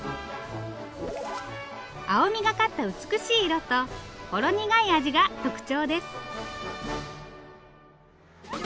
青みがかった美しい色とほろ苦い味が特徴です。